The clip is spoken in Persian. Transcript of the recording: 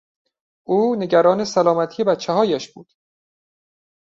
او نگران سلامتی بچههایش بود.